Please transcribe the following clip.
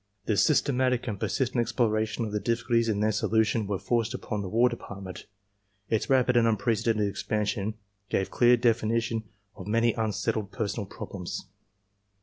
The systematic and persistent exploration of the difficulties and their solution were forced upon the War Depart ment. Its rapid and unprecedented expansion gave clear def inition to many unsettled personnel problems.